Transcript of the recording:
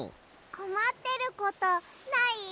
こまってることない？